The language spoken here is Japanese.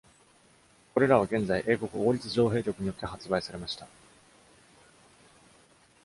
これらは現在、英国王立造幣局によって発売されました。